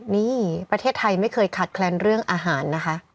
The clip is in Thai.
นี่ประเทศไทยไม่เคยขาดแคลนเรื่องอาหารนะคะ